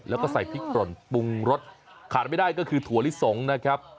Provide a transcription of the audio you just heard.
แล้วก็ใส่พริกป่นปรุงรสขาดไม่ได้ก็คือถั่วลิสงนะครับ